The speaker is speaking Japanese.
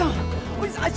おじさん足。